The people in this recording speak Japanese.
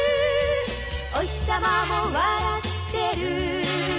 「おひさまも笑ってる」